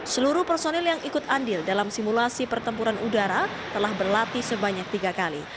seluruh personil yang ikut andil dalam simulasi pertempuran udara telah berlatih sebanyak tiga kali